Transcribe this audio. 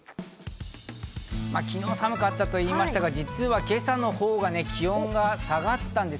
昨日、寒かったといいましたが実は今朝の方が気温が下がったんです。